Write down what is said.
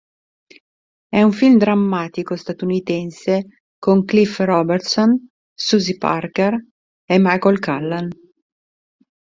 È un film drammatico statunitense con Cliff Robertson, Suzy Parker e Michael Callan.